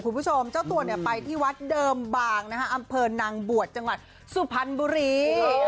คุณผู้ชมเจ้าตัวไปที่วัฒน์ดิมบางบานอำเภอหนังบวชจังหวัดสุพรรณบุรี